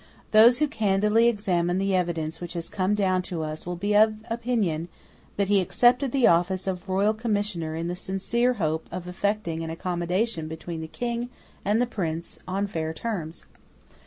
Those who candidly examine the evidence which has come down to us will be of opinion that he accepted the office of royal Commissioner in the sincere hope of effecting an accommodation between the King and the Prince on fair terms.